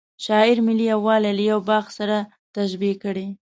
شاعر ملي یوالی له یوه باغ سره تشبه کړی.